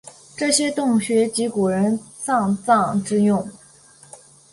这些洞穴即古人丧葬之用。